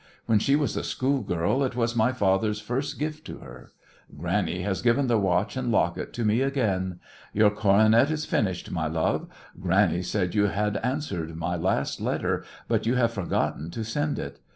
When she was a schoolgirl it was my father's first gift to her. Granny has given the watch and locket to me again. Your coronet is finished, my love. Granny said you had answered my last letter, but you have forgotten to send it.